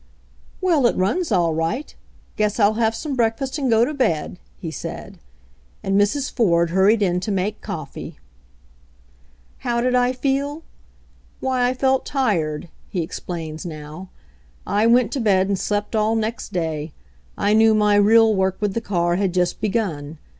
"Well, it runs all right. Guess I'll have some breakfast and go to bed," he said, and Mrs. Ford hurried in to make coffee. "How did I feel? Why, I felt tired," he ex plains now. "I went to bed and slept all next day. I knew my real work with the car had just \ begun.